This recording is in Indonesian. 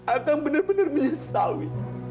akan bener bener menyesal wi